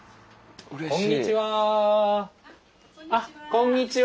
こんにちは。